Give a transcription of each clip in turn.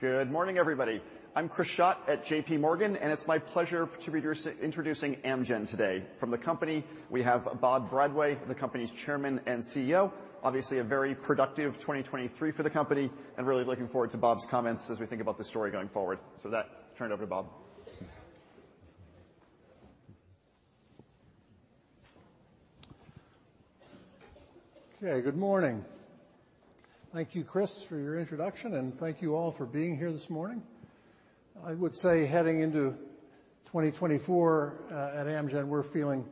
Good morning, everybody. I'm Chris Schott at JPMorgan, and it's my pleasure to be introducing Amgen today. From the company, we have Bob Bradway, the company's Chairman and CEO. Obviously, a very productive 2023 for the company, and really looking forward to Bob's comments as we think about the story going forward. With that, turn it over to Bob. Okay, good morning. Thank you, Chris, for your introduction, and thank you all for being here this morning. I would say heading into 2024, at Amgen, we're feeling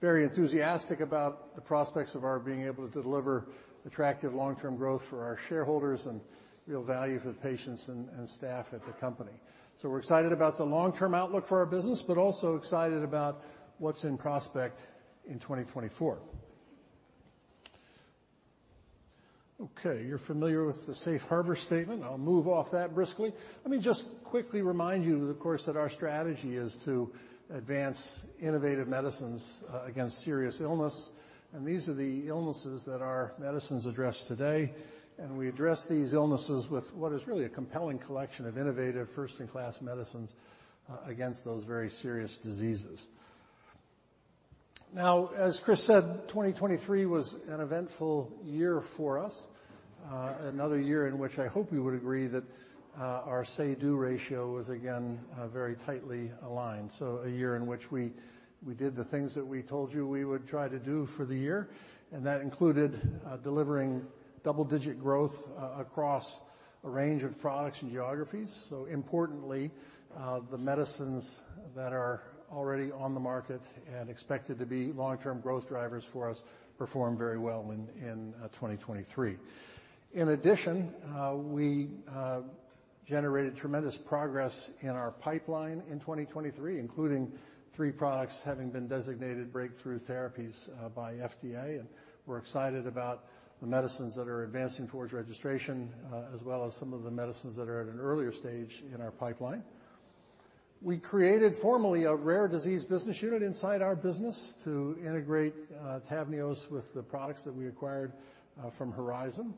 very enthusiastic about the prospects of our being able to deliver attractive long-term growth for our shareholders and real value for the patients and staff at the company. So we're excited about the long-term outlook for our business, but also excited about what's in prospect in 2024. Okay, you're familiar with the safe harbor statement. I'll move off that briskly. Let me just quickly remind you, of course, that our strategy is to advance innovative medicines against serious illness, and these are the illnesses that our medicines address today. We address these illnesses with what is really a compelling collection of innovative, first-in-class medicines against those very serious diseases. Now, as Chris said, 2023 was an eventful year for us, another year in which I hope you would agree that our say-do ratio was again very tightly aligned. So a year in which we did the things that we told you we would try to do for the year, and that included delivering double-digit growth across a range of products and geographies. So importantly, the medicines that are already on the market and expected to be long-term growth drivers for us performed very well in 2023. In addition, we generated tremendous progress in our pipeline in 2023, including three products having been designated breakthrough therapies by FDA. And we're excited about the medicines that are advancing towards registration, as well as some of the medicines that are at an earlier stage in our pipeline. We created formally a rare disease business unit inside our business to integrate TAVNEOS with the products that we acquired from Horizon.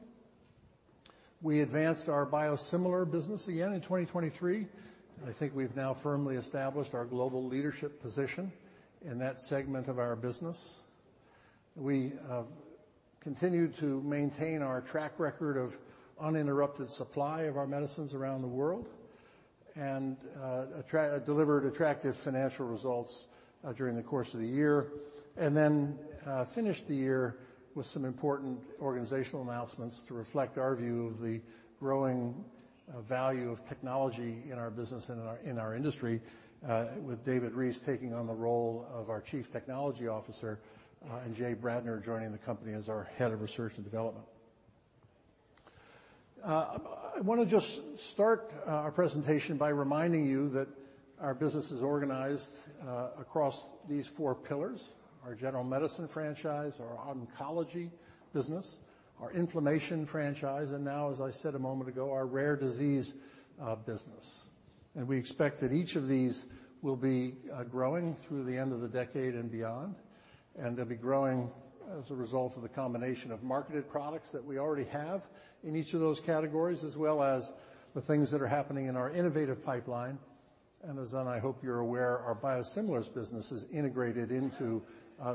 We advanced our biosimilar business again in 2023. I think we've now firmly established our global leadership position in that segment of our business. We continued to maintain our track record of uninterrupted supply of our medicines around the world and delivered attractive financial results during the course of the year, and then finished the year with some important organizational announcements to reflect our view of the growing value of technology in our business and in our industry, with David Reese taking on the role of our Chief Technology Officer and Jay Bradner joining the company as our Head of Research and Development. I want to just start our presentation by reminding you that our business is organized across these four pillars, our general medicine franchise, our oncology business, our inflammation franchise, and now, as I said a moment ago, our rare disease business. And we expect that each of these will be growing through the end of the decade and beyond, and they'll be growing as a result of the combination of marketed products that we already have in each of those categories, as well as the things that are happening in our innovative pipeline. And I hope you're aware, our biosimilars business is integrated into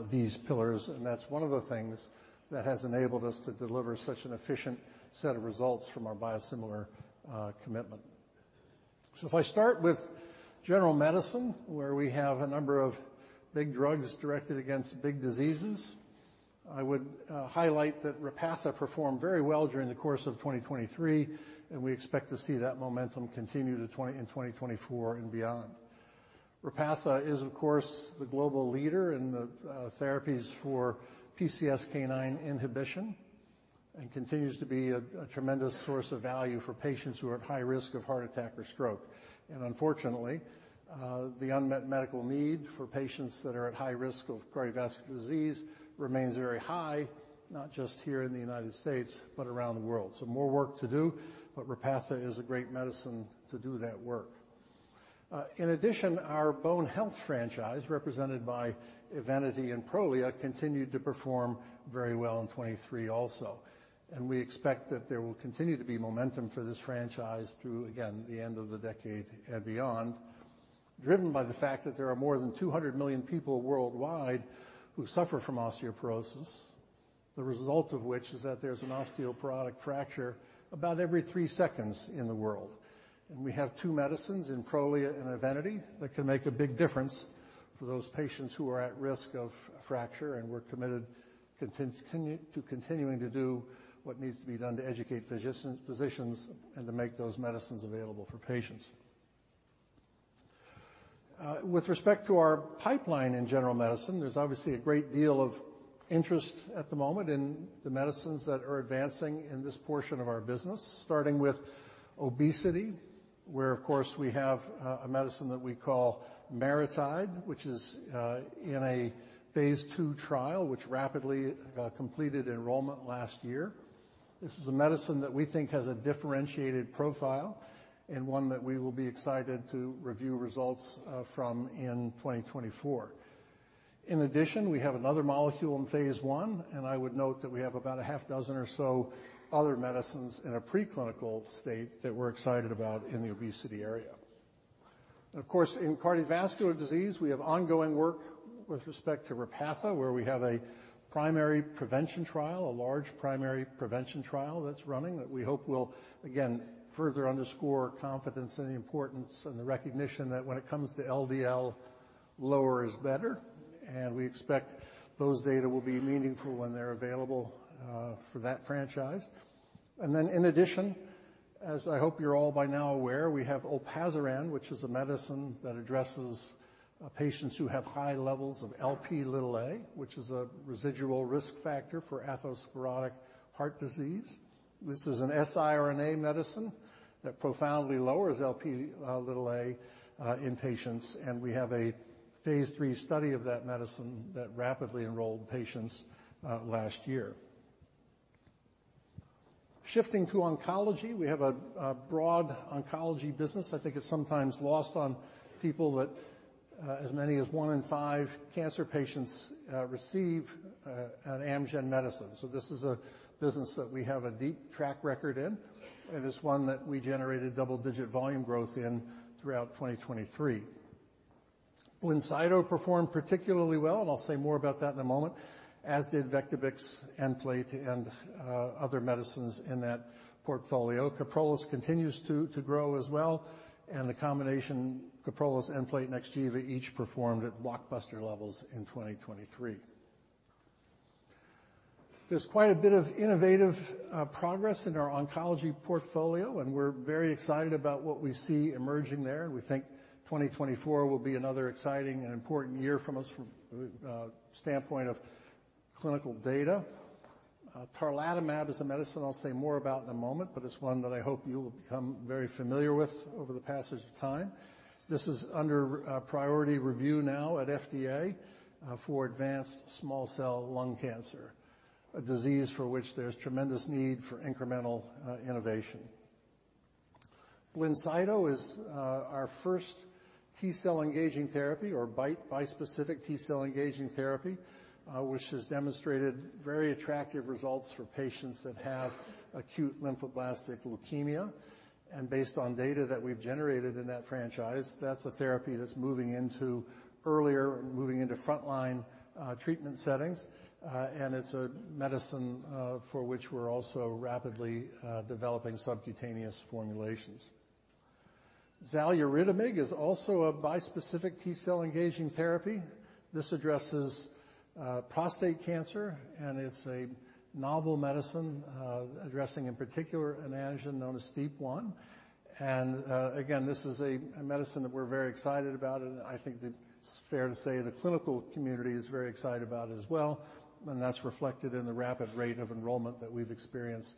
these pillars, and that's one of the things that has enabled us to deliver such an efficient set of results from our biosimilar commitment. So if I start with general medicine, where we have a number of big drugs directed against big diseases, I would highlight that Repatha performed very well during the course of 2023, and we expect to see that momentum continue into 2024 and beyond. Repatha is, of course, the global leader in the therapies for PCSK9 inhibition and continues to be a tremendous source of value for patients who are at high risk of heart attack or stroke. Unfortunately, the unmet medical need for patients that are at high risk of cardiovascular disease remains very high, not just here in the United States, but around the world. So more work to do, but Repatha is a great medicine to do that work. In addition, our bone health franchise, represented by EVENITY and Prolia, continued to perform very well in 2023 also. We expect that there will continue to be momentum for this franchise through, again, the end of the decade and beyond, driven by the fact that there are more than 200 million people worldwide who suffer from osteoporosis, the result of which is that there's an osteoporotic fracture about every three seconds in the world. We have two medicines in Prolia and EVENITY that can make a big difference for those patients who are at risk of fracture, and we're committed to continuing to do what needs to be done to educate physicians and to make those medicines available for patients. With respect to our pipeline in general medicine, there's obviously a great deal of interest at the moment in the medicines that are advancing in this portion of our business, starting with obesity, where, of course, we have a medicine that we call MariTide, which is in a phase II trial, which rapidly completed enrollment last year. This is a medicine that we think has a differentiated profile and one that we will be excited to review results from in 2024. In addition, we have another molecule in phase I, and I would note that we have about six or so other medicines in a preclinical state that we're excited about in the obesity area. Of course, in cardiovascular disease, we have ongoing work with respect to Repatha, where we have a primary prevention trial, a large primary prevention trial that's running, that we hope will, again, further underscore confidence in the importance and the recognition that when it comes to LDL, lower is better. And we expect those data will be meaningful when they're available for that franchise. And then in addition, as I hope you're all by now aware, we have olpasiran, which is a medicine that addresses patients who have high levels of Lp(a), which is a residual risk factor for atherosclerotic heart disease. This is an siRNA medicine that profoundly lowers Lp(a) in patients, and we have a phase III study of that medicine that rapidly enrolled patients last year. Shifting to oncology, we have a broad oncology business. I think it's sometimes lost on people that as many as one in five cancer patients receive an Amgen medicine. So this is a business that we have a deep track record in, and it's one that we generated double-digit volume growth in throughout 2023. BLINCYTO performed particularly well, and I'll say more about that in a moment, as did Vectibix, Nplate, and other medicines in that portfolio. KYPROLIS continues to grow as well, and the combination KYPROLIS and Nplate next to each other performed at blockbuster levels in 2023. There's quite a bit of innovative progress in our oncology portfolio, and we're very excited about what we see emerging there. We think 2024 will be another exciting and important year from us from standpoint of clinical data. Tarlatamab is a medicine I'll say more about in a moment, but it's one that I hope you will become very familiar with over the passage of time. This is under priority review now at FDA for advanced small cell lung cancer, a disease for which there's tremendous need for incremental innovation. BLINCYTO is our first T-cell engaging therapy, or bispecific T-cell engaging therapy, which has demonstrated very attractive results for patients that have acute lymphoblastic leukemia. And based on data that we've generated in that franchise, that's a therapy that's moving into earlier, moving into frontline treatment settings. And it's a medicine for which we're also rapidly developing subcutaneous formulations. Xaluritamig is also a bispecific T-cell engaging therapy. This addresses prostate cancer, and it's a novel medicine addressing in particular an antigen known as STEAP1. Again, this is a medicine that we're very excited about, and I think that it's fair to say the clinical community is very excited about it as well, and that's reflected in the rapid rate of enrollment that we've experienced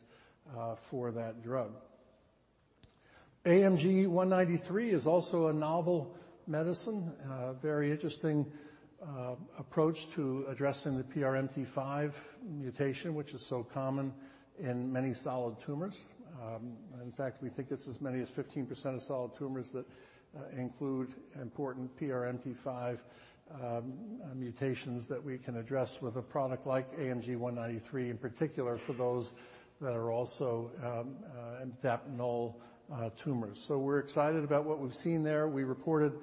for that drug. AMG 193 is also a novel medicine, very interesting approach to addressing the PRMT5 mutation, which is so common in many solid tumors. In fact, we think it's as many as 15% of solid tumors that include important PRMT5 mutations that we can address with a product like AMG 193, in particular, for those that are also MTAP-null tumors. So we're excited about what we've seen there. We reported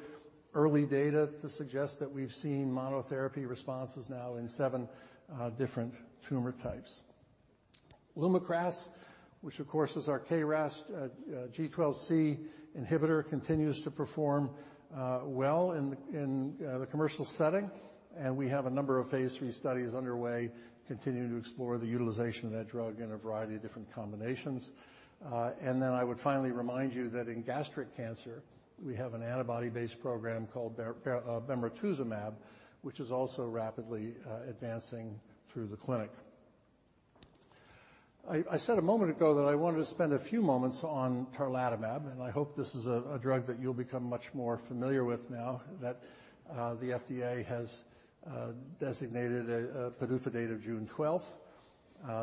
early data to suggest that we've seen monotherapy responses now in seven different tumor types. LUMAKRAS, which of course is our KRAS G12C inhibitor, continues to perform well in the commercial setting, and we have a number of phase III studies underway continuing to explore the utilization of that drug in a variety of different combinations. And then I would finally remind you that in gastric cancer, we have an antibody-based program called bemarituzumab, which is also rapidly advancing through the clinic. I said a moment ago that I wanted to spend a few moments on tarlatamab, and I hope this is a drug that you'll become much more familiar with now that the FDA has designated a PDUFA date of June 12th.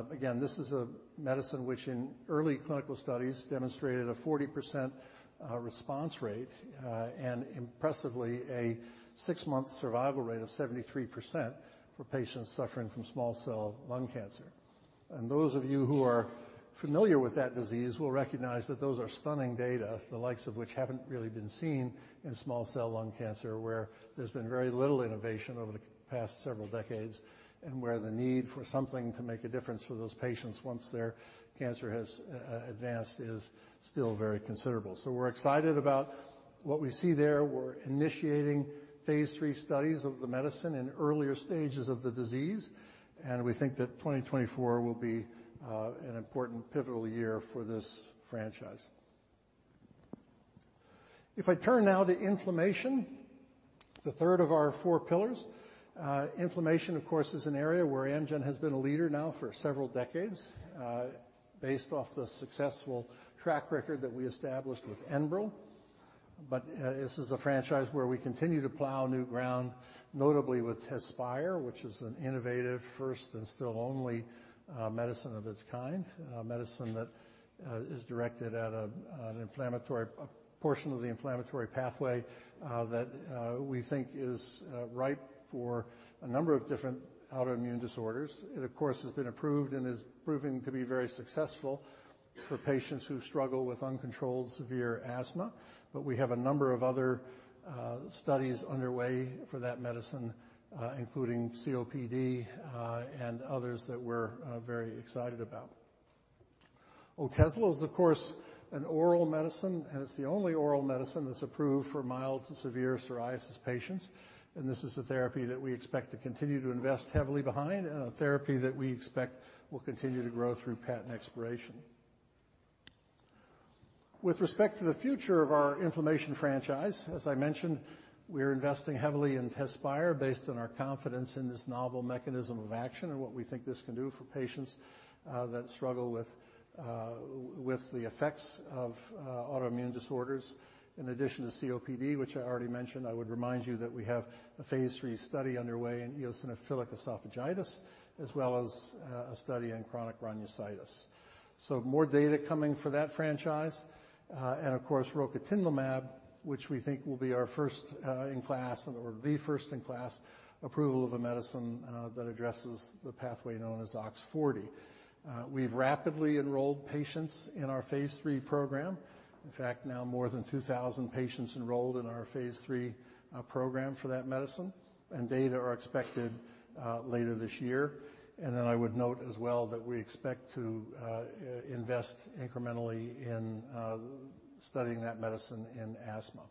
Again, this is a medicine which in early clinical studies demonstrated a 40%, response rate, and impressively, a six-month survival rate of 73% for patients suffering from small cell lung cancer. And those of you who are familiar with that disease will recognize that those are stunning data, the likes of which haven't really been seen in small cell lung cancer, where there's been very little innovation over the past several decades, and where the need for something to make a difference for those patients once their cancer has advanced, is still very considerable. So we're excited about what we see there. We're initiating phase III studies of the medicine in earlier stages of the disease, and we think that 2024 will be an important pivotal year for this franchise. If I turn now to inflammation, the third of our four pillars. Inflammation, of course, is an area where Amgen has been a leader now for several decades, based off the successful track record that we established with ENBREL. But this is a franchise where we continue to plow new ground, notably with TEZSPIRE, which is an innovative first and still only medicine of its kind. Medicine that is directed at an inflammatory portion of the inflammatory pathway that we think is ripe for a number of different autoimmune disorders. It, of course, has been approved and is proving to be very successful for patients who struggle with uncontrolled severe asthma. But we have a number of other studies underway for that medicine, including COPD, and others that we're very excited about. Otezla is, of course, an oral medicine, and it's the only oral medicine that's approved for mild to severe psoriasis patients. This is a therapy that we expect to continue to invest heavily behind, and a therapy that we expect will continue to grow through patent expiration. With respect to the future of our inflammation franchise, as I mentioned, we are investing heavily in TEZSPIRE, based on our confidence in this novel mechanism of action and what we think this can do for patients that struggle with the effects of autoimmune disorders. In addition to COPD, which I already mentioned, I would remind you that we have a phase three study underway in eosinophilic esophagitis, as well as a study in chronic rhinosinusitis. So more data coming for that franchise. And of course, rocatinlimab, which we think will be our first in class, or the first in class, approval of a medicine that addresses the pathway known as OX40. We've rapidly enrolled patients in our phase III program. In fact, now more than 2,000 patients enrolled in our phase III program for that medicine, and data are expected later this year. And then I would note as well, that we expect to invest incrementally in studying that medicine in asthma.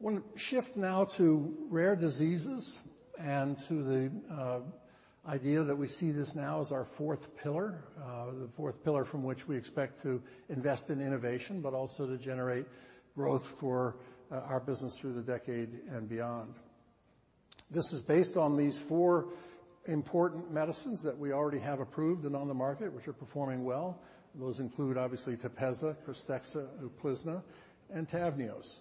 I want to shift now to rare diseases and to the idea that we see this now as our fourth pillar. The fourth pillar from which we expect to invest in innovation, but also to generate growth for our business through the decade and beyond. This is based on these four important medicines that we already have approved and on the market, which are performing well. Those include, obviously, TEPEZZA, KRYSTEXXA, UPLIZNA, and TAVNEOS.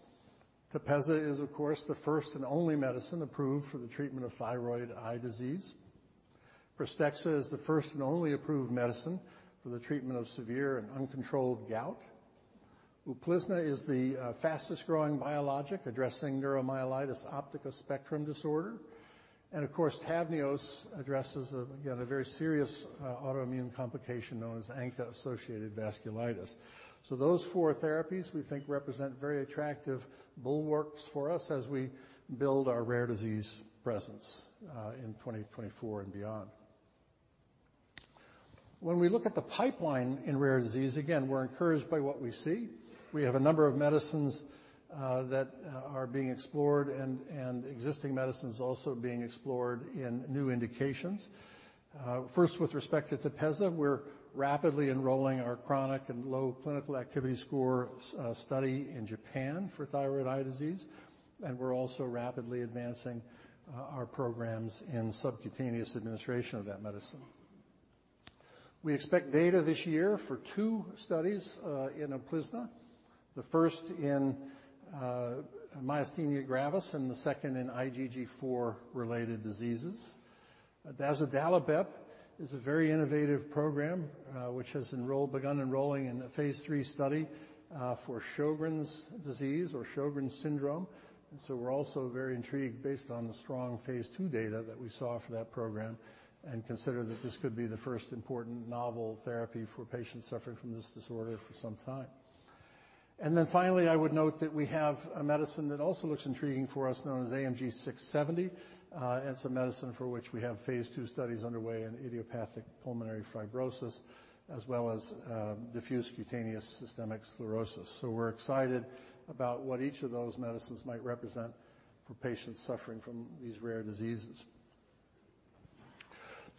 TEPEZZA is, of course, the first and only medicine approved for the treatment of thyroid eye disease. KRYSTEXXA is the first and only approved medicine for the treatment of severe and uncontrolled gout. UPLIZNA is the fastest-growing biologic addressing neuromyelitis optica spectrum disorder. Of course, TAVNEOS addresses, again, a very serious autoimmune complication known as ANCA-associated vasculitis. Those four therapies, we think, represent very attractive bulwarks for us as we build our rare disease presence in 2024 and beyond. When we look at the pipeline in rare disease, again, we're encouraged by what we see. We have a number of medicines that are being explored and existing medicines also being explored in new indications. First, with respect to TEPEZZA, we're rapidly enrolling our chronic and low clinical activity score study in Japan for thyroid eye disease, and we're also rapidly advancing our programs in subcutaneous administration of that medicine. We expect data this year for two studies in UPLIZNA, the first in myasthenia gravis and the second in IgG4-related diseases. Dazodalibep is a very innovative program which has begun enrolling in a phase III study for Sjögren's disease or Sjögren's syndrome. So we're also very intrigued, based on the strong phase II data that we saw for that program, and consider that this could be the first important novel therapy for patients suffering from this disorder for some time. And then finally, I would note that we have a medicine that also looks intriguing for us, known as AMG 670. It's a medicine for which we have phase II studies underway in idiopathic pulmonary fibrosis, as well as diffuse cutaneous systemic sclerosis. So we're excited about what each of those medicines might represent for patients suffering from these rare diseases.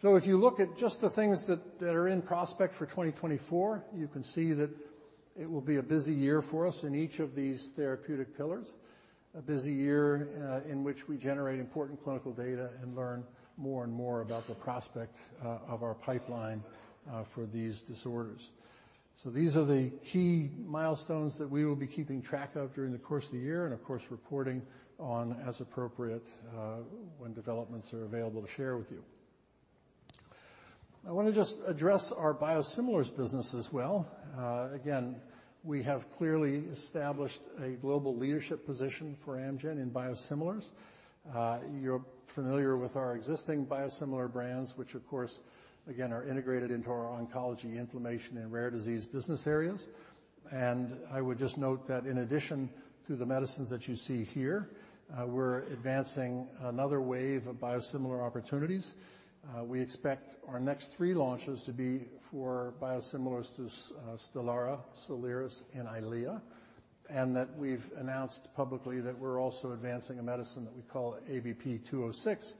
So if you look at just the things that, that are in prospect for 2024, you can see that it will be a busy year for us in each of these therapeutic pillars. A busy year, in which we generate important clinical data and learn more and more about the prospect of our pipeline for these disorders. So these are the key milestones that we will be keeping track of during the course of the year, and of course, reporting on as appropriate, when developments are available to share with you. I want to just address our biosimilars business as well. Again, we have clearly established a global leadership position for Amgen in biosimilars. You're familiar with our existing biosimilar brands, which of course, again, are integrated into our oncology, inflammation, and rare disease business areas. And I would just note that in addition to the medicines that you see here, we're advancing another wave of biosimilar opportunities. We expect our next three launches to be for biosimilars to STELARA, SOLIRIS, and EYLEA, and that we've announced publicly that we're also advancing a medicine that we call ABP 206,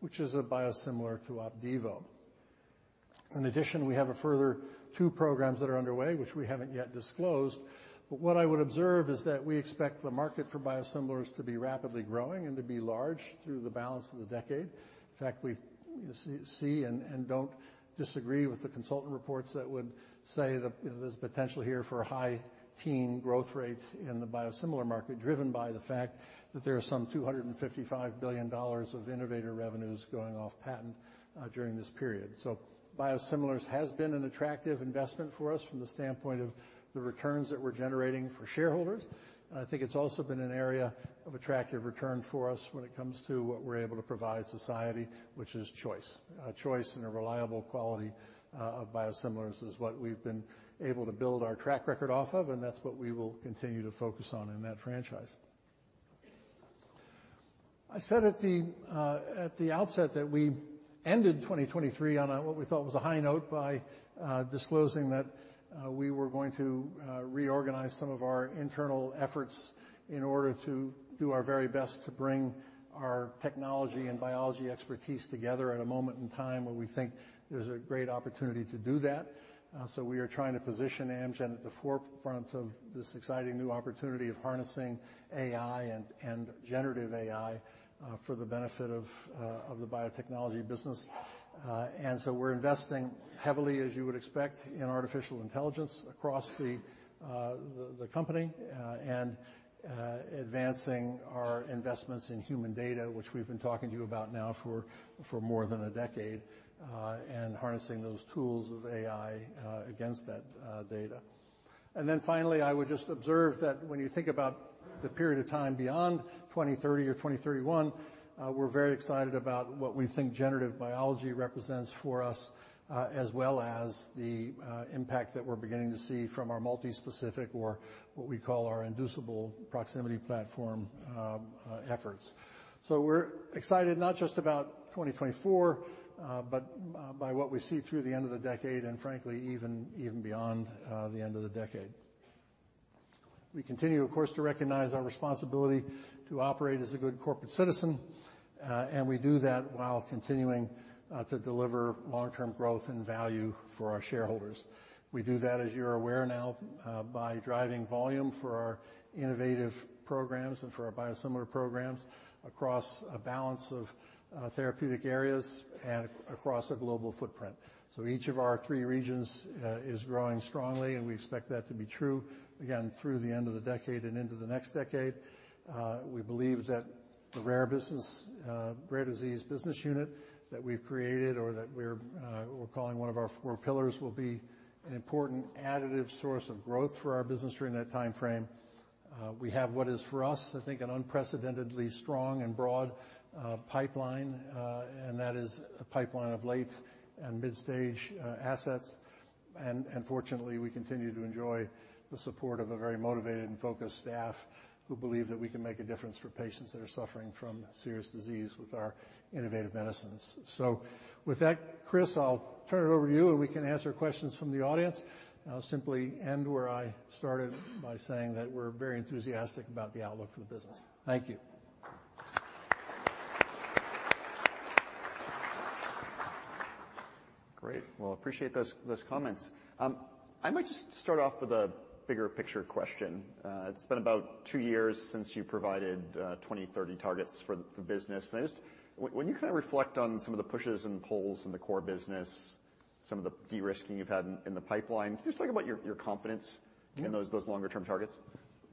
which is a biosimilar to OPDIVO. In addition, we have a further two programs that are underway, which we haven't yet disclosed. But what I would observe is that we expect the market for biosimilars to be rapidly growing and to be large through the balance of the decade. In fact, we see and don't disagree with the consultant reports that would say that, you know, there's potential here for a high teen growth rate in the biosimilar market, driven by the fact that there are some $255 billion of innovator revenues going off patent during this period. So biosimilars has been an attractive investment for us from the standpoint of the returns that we're generating for shareholders. I think it's also been an area of attractive return for us when it comes to what we're able to provide society, which is choice. Choice and a reliable quality of biosimilars is what we've been able to build our track record off of, and that's what we will continue to focus on in that franchise. I said at the outset that we ended 2023 on a what we thought was a high note by disclosing that we were going to reorganize some of our internal efforts in order to do our very best to bring our technology and biology expertise together at a moment in time where we think there's a great opportunity to do that. So we are trying to position Amgen at the forefront of this exciting new opportunity of harnessing AI and, and generative AI, for the benefit of, of the biotechnology business. And so we're investing heavily, as you would expect, in artificial intelligence across the, the, the company, and, advancing our investments in human data, which we've been talking to you about now for, for more than a decade, and harnessing those tools of AI, against that, data. And then finally, I would just observe that when you think about the period of time beyond 2030 or 2031, we're very excited about what we think generative biology represents for us, as well as the, impact that we're beginning to see from our multi-specific or what we call our inducible proximity platform, efforts. So we're excited not just about 2024, but by what we see through the end of the decade, and frankly, even beyond the end of the decade. We continue, of course, to recognize our responsibility to operate as a good corporate citizen, and we do that while continuing to deliver long-term growth and value for our shareholders. We do that, as you're aware now, by driving volume for our innovative programs and for our biosimilar programs across a balance of therapeutic areas and across a global footprint. So each of our three regions is growing strongly, and we expect that to be true again through the end of the decade and into the next decade. We believe that the rare business, rare disease business unit that we've created or that we're calling one of our four pillars, will be an important additive source of growth for our business during that time frame. We have what is, for us, I think, an unprecedentedly strong and broad pipeline, and that is a pipeline of late and mid-stage assets. Unfortunately, we continue to enjoy the support of a very motivated and focused staff who believe that we can make a difference for patients that are suffering from serious disease with our innovative medicines. With that, Chris, I'll turn it over to you, and we can answer questions from the audience. I'll simply end where I started by saying that we're very enthusiastic about the outlook for the business. Thank you. Great. Well, appreciate those comments. I might just start off with a bigger picture question. It's been about two years since you provided 2030 targets for the business. And just when you kind of reflect on some of the pushes and pulls in the core business, some of the de-risking you've had in the pipeline, just talk about your confidence- Mm-hmm. in those longer-term targets.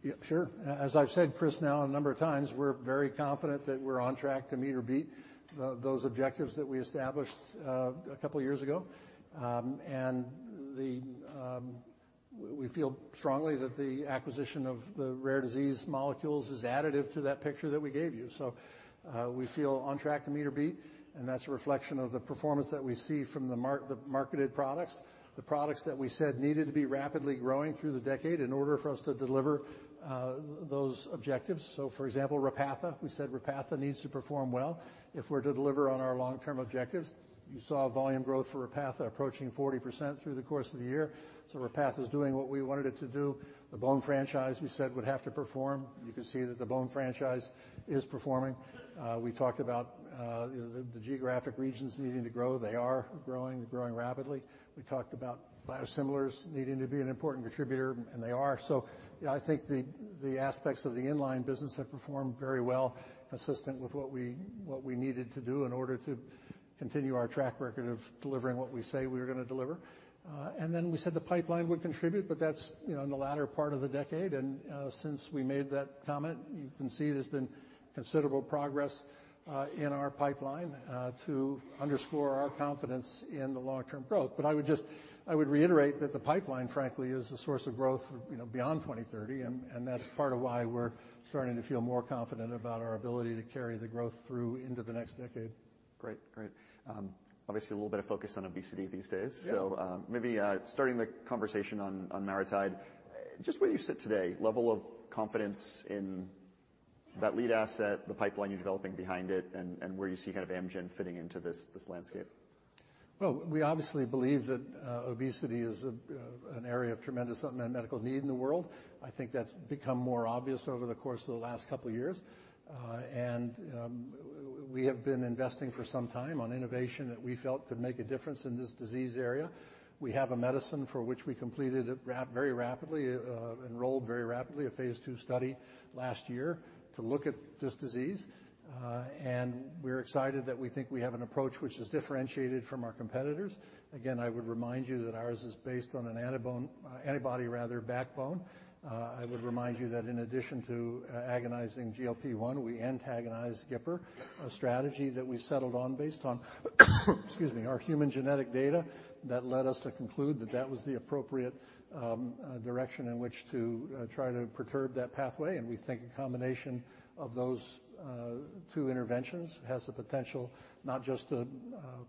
Yeah, sure. As I've said, Chris, now, a number of times, we're very confident that we're on track to meet or beat those objectives that we established a couple of years ago. We feel strongly that the acquisition of the rare disease molecules is additive to that picture that we gave you. So, we feel on track to meet or beat, and that's a reflection of the performance that we see from the marketed products, the products that we said needed to be rapidly growing through the decade in order for us to deliver those objectives. So for example, Repatha, we said Repatha needs to perform well if we're to deliver on our long-term objectives. You saw volume growth for Repatha approaching 40% through the course of the year, so Repatha is doing what we wanted it to do. The bone franchise, we said, would have to perform. You can see that the bone franchise is performing. We talked about the geographic regions needing to grow. They are growing, growing rapidly. We talked about biosimilars needing to be an important contributor, and they are. So I think the aspects of the in-line business have performed very well, consistent with what we needed to do in order to continue our track record of delivering what we say we were going to deliver. And then we said the pipeline would contribute, but that's, you know, in the latter part of the decade. Since we made that comment, you can see there's been considerable progress in our pipeline to underscore our confidence in the long-term growth. But I would reiterate that the pipeline, frankly, is a source of growth, you know, beyond 2030, and that's part of why we're starting to feel more confident about our ability to carry the growth through into the next decade. Great. Great. Obviously a little bit of focus on obesity these days. Yeah. So, maybe starting the conversation on MariTide, just where you sit today, level of confidence in that lead asset, the pipeline you're developing behind it, and where you see kind of Amgen fitting into this landscape? Well, we obviously believe that, obesity is, an area of tremendous unmet medical need in the world. I think that's become more obvious over the course of the last couple of years. And we have been investing for some time on innovation that we felt could make a difference in this disease area. We have a medicine for which we completed very rapidly, enrolled very rapidly, a phase II study last year to look at this disease. And we're excited that we think we have an approach which is differentiated from our competitors. Again, I would remind you that ours is based on an antibody rather backbone. I would remind you that in addition to agonizing GLP-1, we antagonize GIPR, a strategy that we settled on based on, excuse me, our human genetic data that led us to conclude that that was the appropriate direction in which to try to perturb that pathway. And we think a combination of those two interventions has the potential not just to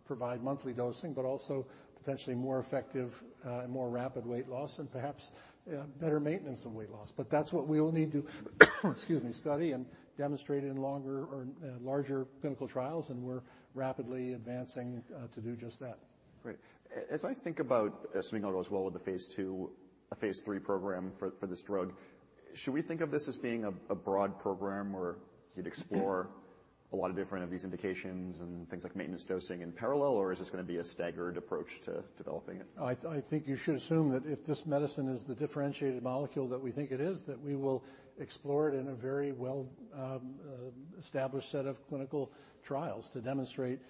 provide monthly dosing, but also potentially more effective and more rapid weight loss, and perhaps better maintenance of weight loss. But that's what we will need to, excuse me, study and demonstrate in longer or larger clinical trials, and we're rapidly advancing to do just that. Great. As I think about something going as well with the phase II, phase III program for this drug, should we think of this as being a broad program where you'd explore a lot of different of these indications and things like maintenance dosing in parallel, or is this gonna be a staggered approach to developing it? I think you should assume that if this medicine is the differentiated molecule that we think it is, that we will explore it in a very well established set of clinical trials to demonstrate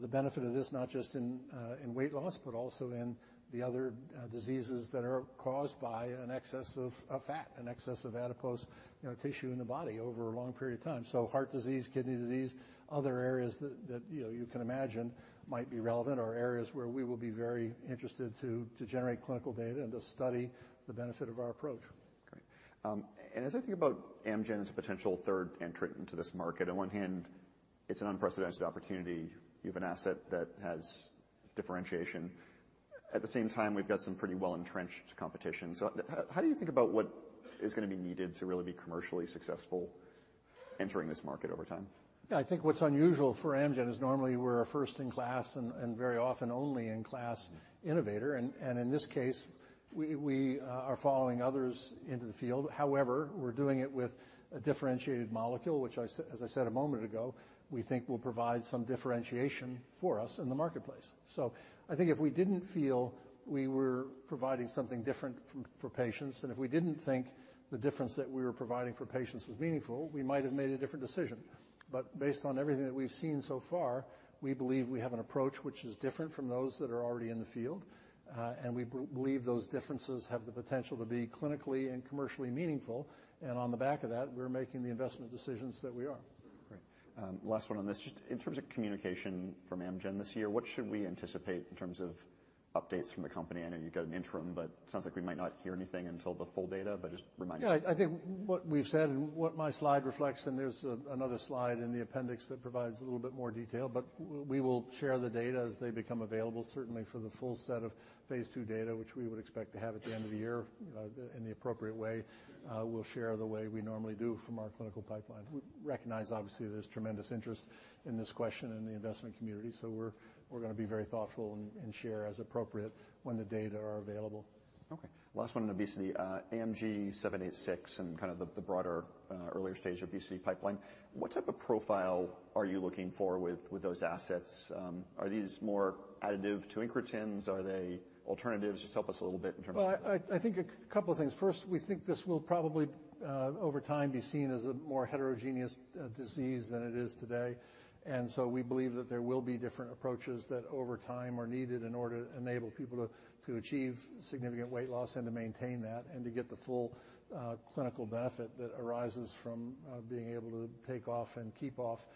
the benefit of this, not just in weight loss, but also in the other diseases that are caused by an excess of fat, an excess of adipose, you know, tissue in the body over a long period of time. So heart disease, kidney disease, other areas that you know you can imagine might be relevant or areas where we will be very interested to generate clinical data and to study the benefit of our approach. Great. And as I think about Amgen's potential third entry into this market, on one hand, it's an unprecedented opportunity. You have an asset that has differentiation. At the same time, we've got some pretty well-entrenched competition. So how do you think about what is gonna be needed to really be commercially successful entering this market over time? Yeah, I think what's unusual for Amgen is normally we're a first-in-class and very often only in class innovator, and in this case, we are following others into the field. However, we're doing it with a differentiated molecule, which I said as I said a moment ago, we think will provide some differentiation for us in the marketplace. So I think if we didn't feel we were providing something different for patients, and if we didn't think the difference that we were providing for patients was meaningful, we might have made a different decision. Based on everything that we've seen so far, we believe we have an approach which is different from those that are already in the field, and we believe those differences have the potential to be clinically and commercially meaningful, and on the back of that, we're making the investment decisions that we are. Great. Last one on this. Just in terms of communication from Amgen this year, what should we anticipate in terms of updates from the company? I know you've got an interim, but it sounds like we might not hear anything until the full data. But just remind me. Yeah, I think what we've said and what my slide reflects, and there's another slide in the appendix that provides a little bit more detail, but we will share the data as they become available, certainly for the full set of phase II data, which we would expect to have at the end of the year. In the appropriate way, we'll share the way we normally do from our clinical pipeline. We recognize, obviously, there's tremendous interest in this question in the investment community, so we're, we're gonna be very thoughtful and, and share as appropriate when the data are available. Okay, last one on obesity, AMG 786, and kind of the broader earlier stage obesity pipeline. What type of profile are you looking for with those assets? Are these more additive to incretins? Are they alternatives? Just help us a little bit in terms of- Well, I think a couple of things. First, we think this will probably over time be seen as a more heterogeneous disease than it is today. And so we believe that there will be different approaches that over time are needed in order to enable people to achieve significant weight loss and to maintain that, and to get the full clinical benefit that arises from being able to take off and keep off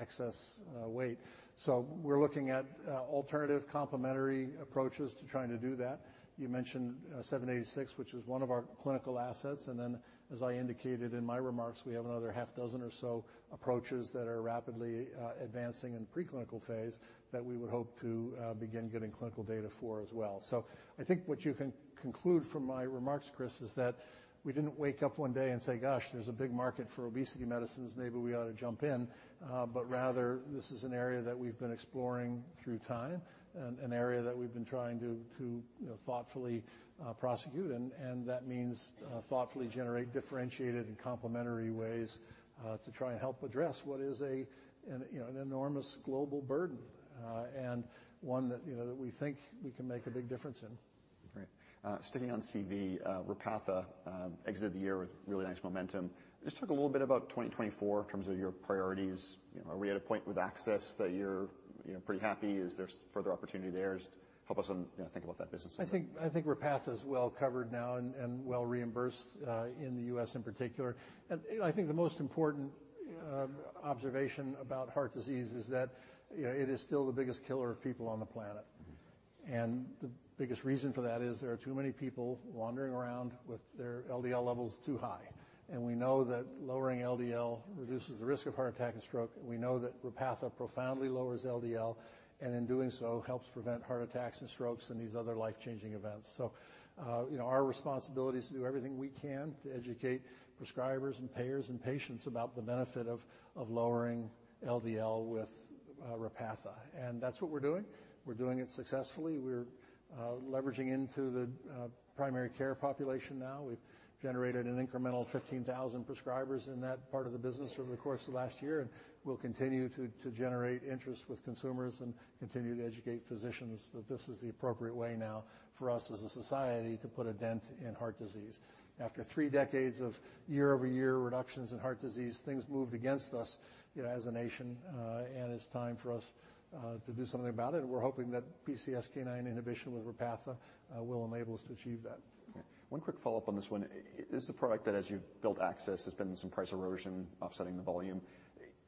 excess weight. So we're looking at alternative complementary approaches to trying to do that. You mentioned 786, which is one of our clinical assets, and then, as I indicated in my remarks, we have another 6 or so approaches that are rapidly advancing in preclinical phase that we would hope to begin getting clinical data for as well. So I think what you can conclude from my remarks, Chris, is that we didn't wake up one day and say: Gosh, there's a big market for obesity medicines, maybe we ought to jump in. But rather, this is an area that we've been exploring through time and an area that we've been trying to, you know, thoughtfully prosecute, and that means thoughtfully generate differentiated and complementary ways, to try and help address what is an, you know, an enormous global burden, and one that, you know, that we think we can make a big difference in. Great. Sticking on CV, Repatha, exited the year with really nice momentum. Just talk a little bit about 2024 in terms of your priorities. You know, are we at a point with access that you're, you know, pretty happy? Is there further opportunity there? Just help us on, you know, think about that business. I think Repatha is well covered now and well reimbursed in the U.S. in particular. You know, I think the most important observation about heart disease is that, you know, it is still the biggest killer of people on the planet and the biggest reason for that is there are too many people wandering around with their LDL levels too high. And we know that lowering LDL reduces the risk of heart attack and stroke. We know that Repatha profoundly lowers LDL, and in doing so, helps prevent heart attacks and strokes, and these other life-changing events. So, you know, our responsibility is to do everything we can to educate prescribers, and payers, and patients about the benefit of lowering LDL with Repatha, and that's what we're doing. We're doing it successfully. We're leveraging into the primary care population now. We've generated an incremental 15,000 prescribers in that part of the business over the course of last year, and we'll continue to generate interest with consumers and continue to educate physicians that this is the appropriate way now for us as a society to put a dent in heart disease. After three decades of year-over-year reductions in heart disease, things moved against us, you know, as a nation, and it's time for us to do something about it. We're hoping that PCSK9 inhibition with Repatha will enable us to achieve that. One quick follow-up on this one. Is the product that, as you've built access, there's been some price erosion offsetting the volume?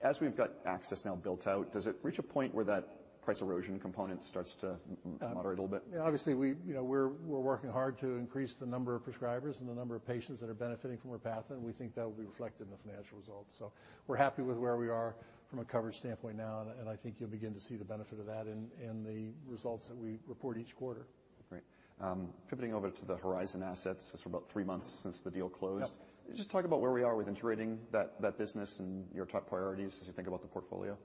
As we've got access now built out, does it reach a point where that price erosion component starts to moderate a little bit? Obviously, we, you know, we're, we're working hard to increase the number of prescribers and the number of patients that are benefiting from Repatha, and we think that will be reflected in the financial results. So we're happy with where we are from a coverage standpoint now, and I think you'll begin to see the benefit of that in, in the results that we report each quarter. Great. Pivoting over to the Horizon assets. It's about three months since the deal closed. Yep. Just talk about where we are with integrating that business and your top priorities as you think about the portfolio.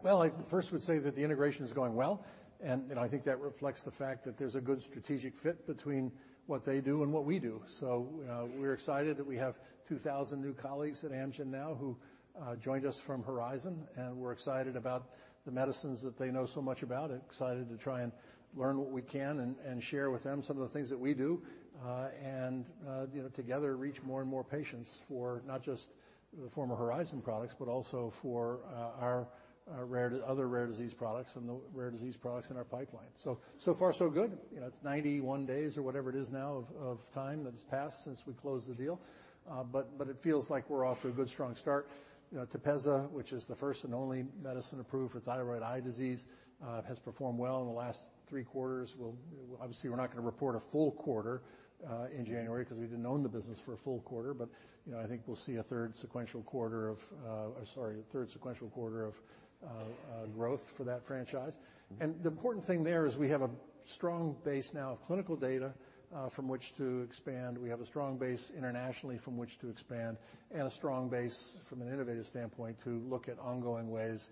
Well, I first would say that the integration is going well, and, you know, I think that reflects the fact that there's a good strategic fit between what they do and what we do. So, we're excited that we have 2,000 new colleagues at Amgen now who joined us from Horizon, and we're excited about the medicines that they know so much about, excited to try and learn what we can and share with them some of the things that we do. You know, together, reach more and more patients for not just the former Horizon products, but also for our rare, other rare disease products and the rare disease products in our pipeline. So, so far, so good. You know, it's 91 days or whatever it is now of time that has passed since we closed the deal, but it feels like we're off to a good, strong start. You know, TEPEZZA, which is the first and only medicine approved for thyroid eye disease, has performed well in the last three quarters. Well, obviously, we're not gonna report a full quarter in January because we didn't own the business for a full quarter. But, you know, I think we'll see a third sequential quarter of sorry, a third sequential quarter of growth for that franchise. And the important thing there is we have a strong base now of clinical data from which to expand. We have a strong base internationally from which to expand and a strong base from an innovative standpoint to look at ongoing ways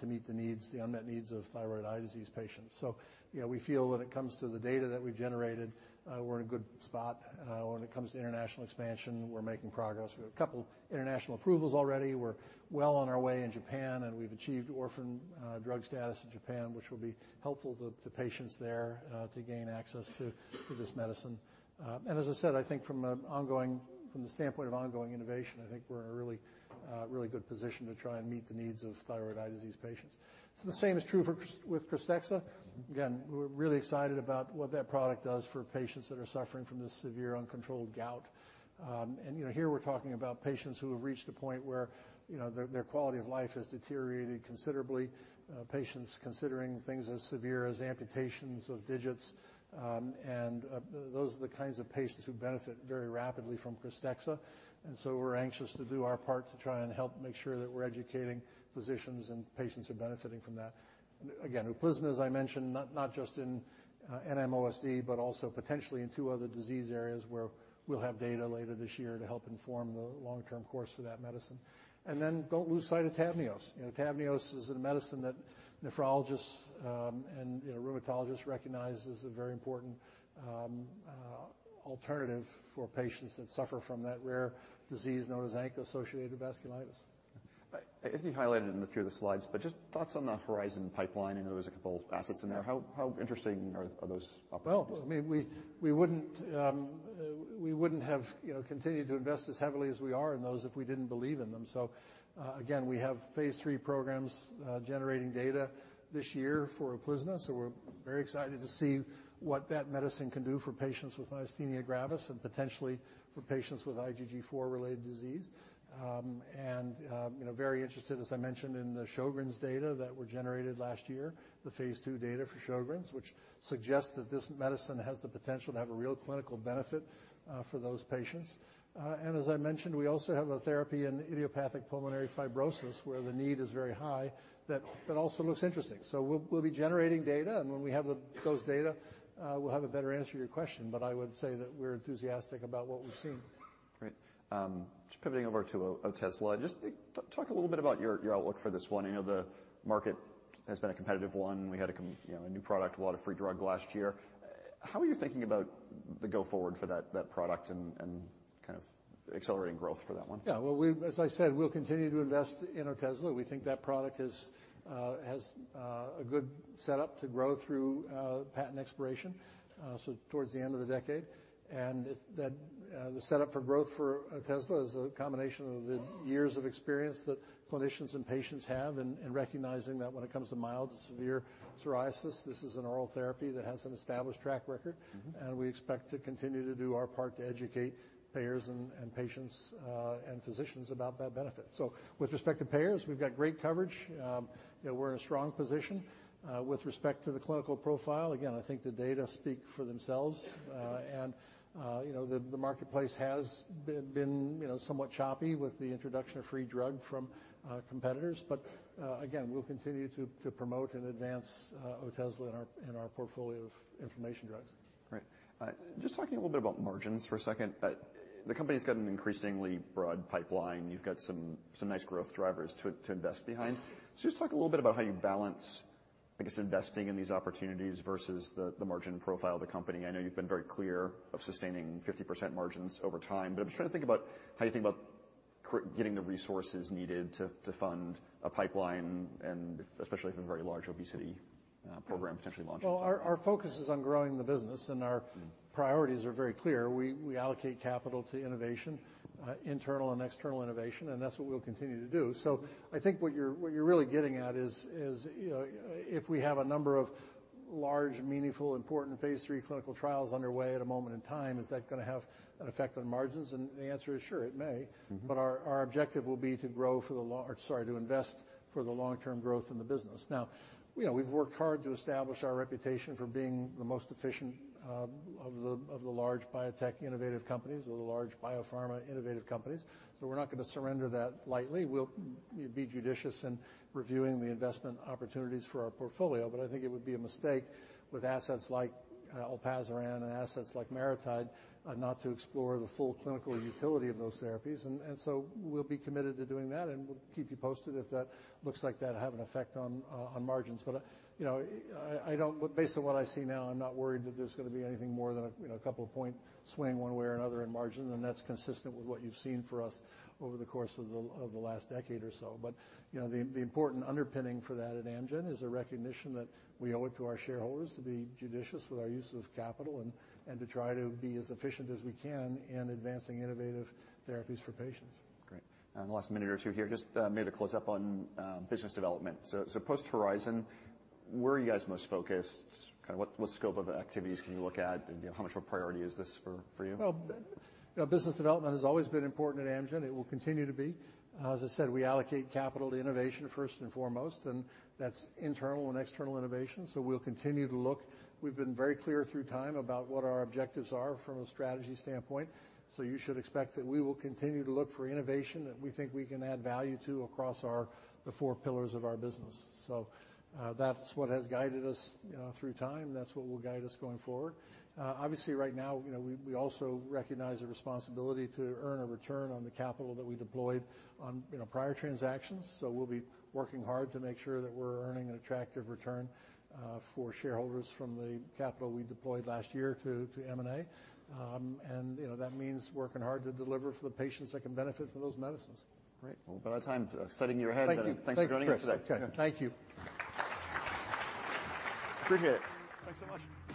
to meet the needs, the unmet needs of thyroid eye disease patients. So, you know, we feel when it comes to the data that we've generated, we're in a good spot. When it comes to international expansion, we're making progress. We have a couple international approvals already. We're well on our way in Japan, and we've achieved orphan drug status in Japan, which will be helpful to patients there to gain access to this medicine. And as I said, I think from an ongoing, from the standpoint of ongoing innovation, I think we're in a really, a really good position to try and meet the needs of thyroid eye disease patients. So the same is true for, with KRYSTEXXA. Again, we're really excited about what that product does for patients that are suffering from this severe, uncontrolled gout. And, you know, here we're talking about patients who have reached a point where, you know, their, their quality of life has deteriorated considerably, patients considering things as severe as amputations of digits. And those are the kinds of patients who benefit very rapidly from KRYSTEXXA, and so we're anxious to do our part to try and help make sure that we're educating physicians, and patients are benefiting from that. Again, UPLIZNA, as I mentioned, not just in NMOSD, but also potentially in two other disease areas, where we'll have data later this year to help inform the long-term course for that medicine. And then don't lose sight of TAVNEOS. You know, TAVNEOS is a medicine that nephrologists and, you know, rheumatologists recognize as a very important alternative for patients that suffer from that rare disease known as ANCA-associated vasculitis. I think you highlighted it in a few of the slides, but just thoughts on the Horizon pipeline. I know there's a couple assets in there. How interesting are those opportunities? Well, I mean, we wouldn't have, you know, continued to invest as heavily as we are in those if we didn't believe in them. So, again, we have phase III programs generating data this year for UPLIZNA, so we're very excited to see what that medicine can do for patients with myasthenia gravis and potentially for patients with IgG4-related disease. And, you know, very interested, as I mentioned, in the Sjögren's data that were generated last year, the phase II data for Sjögren's, which suggests that this medicine has the potential to have a real clinical benefit for those patients. And as I mentioned, we also have a therapy in idiopathic pulmonary fibrosis, where the need is very high, that also looks interesting. So we'll be generating data, and when we have those data, we'll have a better answer to your question, but I would say that we're enthusiastic about what we've seen. Great. Just pivoting over to Otezla. Just talk a little bit about your, your outlook for this one. I know the market has been a competitive one. You know, a new product, a lot of free drug last year. How are you thinking about the go forward for that, that product and, and kind of accelerating growth for that one? Yeah, well, as I said, we'll continue to invest in Otezla. We think that product has a good setup to grow through patent expiration, so towards the end of the decade. And it, that, the setup for growth for Otezla is a combination of the years of experience that clinicians and patients have and, and recognizing that when it comes to mild to severe psoriasis, this is an oral therapy that has an established track record. Mm-hmm. And we expect to continue to do our part to educate payers, and patients, and physicians about that benefit. So with respect to payers, we've got great coverage. You know, we're in a strong position. With respect to the clinical profile, again, I think the data speak for themselves. You know, the marketplace has been, you know, somewhat choppy with the introduction of free drug from competitors. But again, we'll continue to promote and advance Otezla in our portfolio of inflammation drugs. Great. Just talking a little bit about margins for a second, the company's got an increasingly broad pipeline. You've got some nice growth drivers to invest behind. So just talk a little bit about how you balance, I guess, investing in these opportunities versus the margin profile of the company. I know you've been very clear of sustaining 50% margins over time, but I'm just trying to think about how you think about getting the resources needed to fund a pipeline, and especially for the very large obesity program potentially launching. Well, our focus is on growing the business, and our priorities are very clear. We allocate capital to innovation, internal and external innovation, and that's what we'll continue to do. So I think what you're really getting at is, you know, if we have a number of large, meaningful, important phase III clinical trials underway at a moment in time, is that gonna have an effect on margins? And the answer is sure, it may. Mm-hmm. But our objective will be to invest for the long-term growth in the business. Now, you know, we've worked hard to establish our reputation for being the most efficient of the large biotech innovative companies or the large biopharma innovative companies, so we're not gonna surrender that lightly. We'll be judicious in reviewing the investment opportunities for our portfolio, but I think it would be a mistake with assets like olpasiran and assets like MariTide, not to explore the full clinical utility of those therapies. And so we'll be committed to doing that, and we'll keep you posted if that looks like that'd have an effect on margins. But, you know, I don't based on what I see now, I'm not worried that there's gonna be anything more than a, you know, couple of point swing one way or another in margin, and that's consistent with what you've seen for us over the course of the last decade or so. But, you know, the important underpinning for that at Amgen is a recognition that we owe it to our shareholders to be judicious with our use of capital and to try to be as efficient as we can in advancing innovative therapies for patients. Great. And the last minute or two here, just maybe to close up on business development. So, post-Horizon, where are you guys most focused? Kind of what scope of activities can you look at, and how much of a priority is this for you? Well, business development has always been important at Amgen. It will continue to be. As I said, we allocate capital to innovation first and foremost, and that's internal and external innovation, so we'll continue to look. We've been very clear through time about what our objectives are from a strategy standpoint, so you should expect that we will continue to look for innovation that we think we can add value to across our, the four pillars of our business. So, that's what has guided us, you know, through time, and that's what will guide us going forward. Obviously, right now, you know, we also recognize the responsibility to earn a return on the capital that we deployed on, you know, prior transactions, so we'll be working hard to make sure that we're earning an attractive return for shareholders from the capital we deployed last year to M&A. And you know, that means working hard to deliver for the patients that can benefit from those medicines. Great. Well, we're out of time. Exciting to hear it. Thank you. Thanks for joining us today. Okay. Thank you. Appreciate it. Thanks so much.